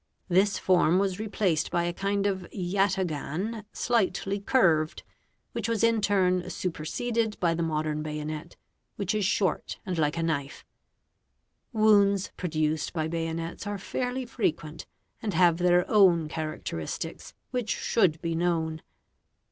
This form was replaced by a kind of yataghan slightly curved, which v in turn superseded by the modern bayonet, which is short and like a kni Wounds produced by bayonets are fairly frequent and have their own ch ha racteristics, which should be known.